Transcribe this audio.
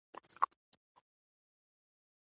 زه د چا غیبت نه کوم.